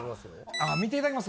あ見ていただけます？